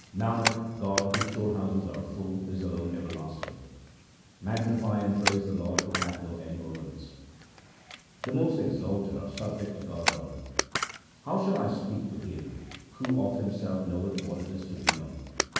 Nanak, God, whose storehouses are full, is alone ever lasting — Magnify and praise the Lord who hath no end or limits. The most exalted are subject to God's order :— How shall I speak to Him who of Himself knoweth what is to be known